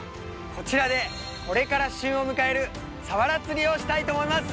こちらでこれから旬を迎えるサワラ釣りをしたいと思います。